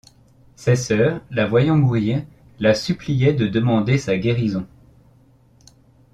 Ses sœurs, la voyant mourir, la suppliaient de demander sa guérison.